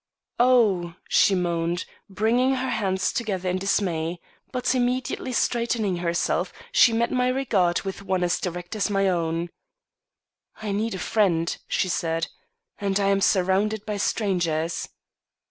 "Oh!" she moaned, bringing her hands together in dismay. But, immediately straightening herself, she met my regard with one as direct as my own. "I need a friend," she said, "and I am surrounded by strangers."